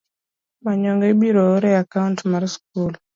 Manyonge ibiro or e akaunt mar skul.